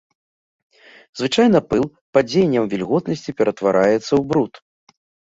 Звычайна пыл пад дзеяннем вільготнасці ператвараецца ў бруд.